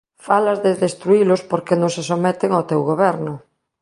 Falas de destruílos porque non se someten ao teu goberno.